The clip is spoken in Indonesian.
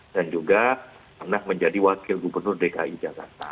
dan juga pernah menjadi wakil gubernur dki jakarta